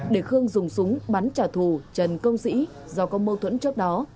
để khương dùng súng bắn trả thù trần công sĩ do có mâu thuẫn trước đó